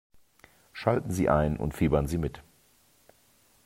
Schalten Sie ein und fiebern Sie mit!